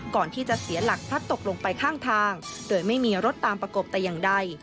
ก่อนที่จะเสียหลักพลัดตกลงไปข้างทางโดยไม่มีรถตามประกบแต่อย่างใด